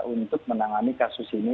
untuk menangani kasus ini